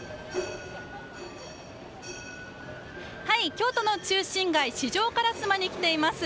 京都の中心街・四条烏丸に来ています。